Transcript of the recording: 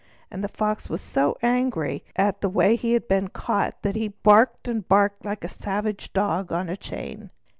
And the Fox was so angry at the way he had been caught that he barked and barked like a savage dog on a chain.